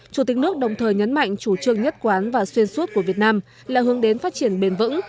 chủ tịch nước đồng thời nhấn mạnh chủ trương nhất quán và xuyên suốt của việt nam là hướng đến phát triển bền vững